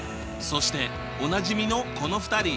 そしておなじみのこの２人！